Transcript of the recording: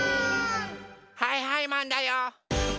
はいはいマンだよ！